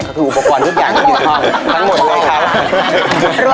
ก็คืออุปกรณ์ทุกอย่างที่เกี่ยวข้องทั้งหมดเลยครับ